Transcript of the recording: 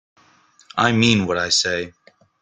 I mean what I say.